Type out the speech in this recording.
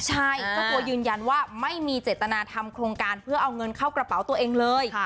ใช่เจ้าตัวยืนยันว่าไม่มีเจตนาทำโครงการเพื่อเอาเงินเข้ากระเป๋าตัวเองเลย